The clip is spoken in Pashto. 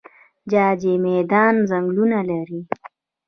جاجي میدان ځنګلونه لري؟